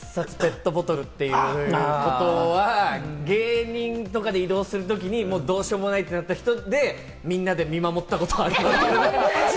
必殺ペットボトルって言うことは、芸人とかで移動するときにもうどうしようもないってなった人で、みんなで見守ったことはあります。